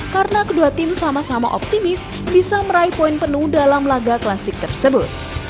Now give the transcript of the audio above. karena kedua tim sama sama optimis bisa meraih poin penuh dalam laga klasik tersebut